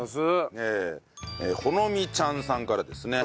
ほのみちゃんさんからですね。